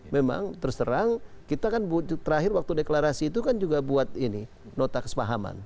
memang terus terang kita kan terakhir waktu deklarasi itu kan juga buat ini nota kesepahaman